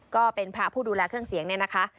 ก็เป็นพระผู้ดูแลเครื่องเสียงเนี่ยนะคะ